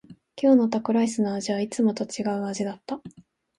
今日のタコライスの味はいつもと違う味だった。